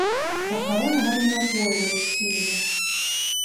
Ba kabona balina okuweebwa ekitiibwa.